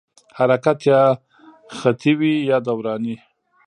حرکت یا خطي وي یا دوراني.